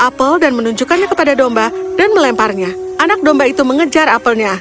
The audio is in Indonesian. apel dan menunjukkannya kepada domba dan melemparnya anak domba itu mengejar apelnya